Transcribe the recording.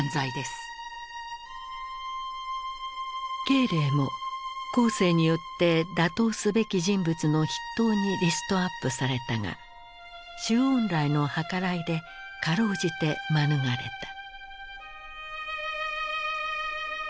慶齢も江青によって打倒すべき人物の筆頭にリストアップされたが周恩来の計らいで辛うじて免れた。